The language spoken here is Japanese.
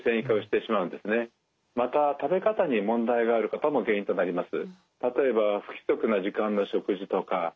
また食べ方に問題がある方も原因となります。